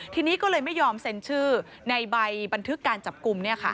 ทีนี้ก็เลยไม่ยอมเซ็นชื่อในใบบันทึกการจับกลุ่ม